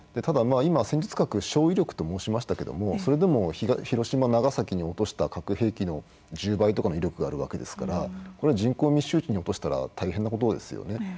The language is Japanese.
ただ今戦術核は小威力と申しましたけどもそれでも広島長崎に落とした核兵器の１０倍とかの威力があるわけですからこれは人口密集地に落としたら大変なことですよね。